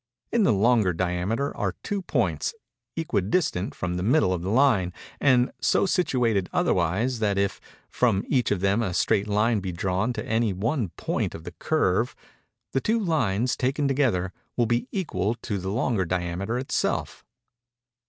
In the longer diameter are two points, equidistant from the middle of the line, and so situated otherwise that if, from each of them a straight line be drawn to any one point of the curve, the two lines, taken together, will be equal to the longer diameter itself.